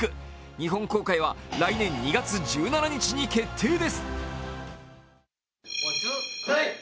日本公開は来年２月１７日に決定です